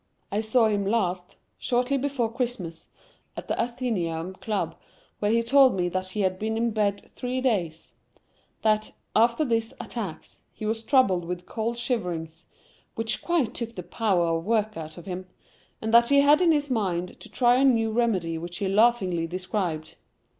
I saw him last, shortly before Christmas, at the Athenæum Club, when he told me that he had been in bed three days—that, after these attacks, he was troubled with cold shiverings, "which quite took the power of work out of him"—and that he had it in his mind to try a new remedy which he laughingly described.